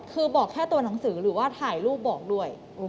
คือบอกแค่ตัวหนังสือหรือว่าถ่ายรูปบอกด้วย